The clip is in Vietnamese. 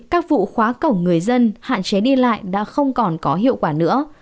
các vụ khóa cổng người dân hạn chế đi lại đã không còn có hiệu quả nữa